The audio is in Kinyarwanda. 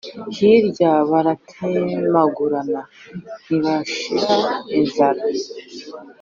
Hirya baratemagurana, ntibashire inzara,